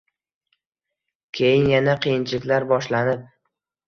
Keyin yana qiyinchiliklar boshlanib